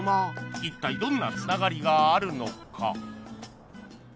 一体どんなつながりがあるのか？